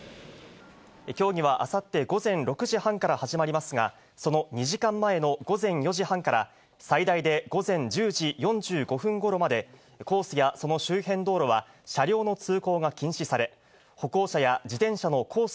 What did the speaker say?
競技はあさって午前６時半から始まりますが、その２時間前の午前４時半から、最大で午前１０時４５分ごろまで、コースやその周辺道路は、車両の通行が禁止され、歩行者や自転車のコース